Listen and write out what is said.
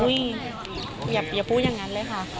อย่าพูดอย่างนั้นเลยค่ะ